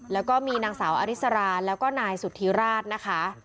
แล้วก็มีนางสาวอริสราแล้วก็นายสุธิราชนะคะ